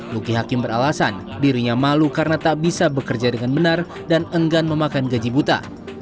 luki hakim beralasan dirinya malu karena tak bisa bekerja dengan benar dan enggan memakan gaji buta